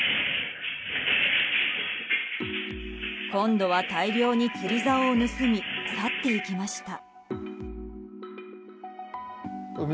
今度は大量に釣り竿を盗み去っていきました。